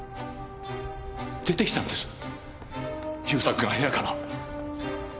出て来たんです勇作が部屋から。